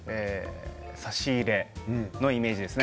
差し入れのイメージですね